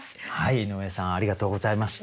井上さんありがとうございました。